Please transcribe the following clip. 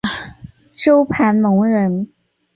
周盘龙人。